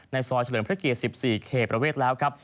ในซอยเฉลินพระเกียร์สิบสี่เคบประเวทแล้วครับ